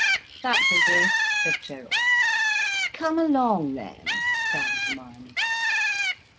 "That will do," said Gerald. "Come along then," sang Hermione.